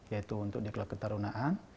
yaitu untuk diklat ketarunaan